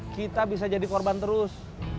kita bisa jadi korban terus